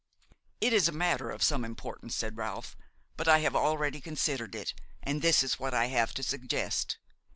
"It is a matter of some importance," said Ralph; "but I have already considered it, and this is what I have to suggest.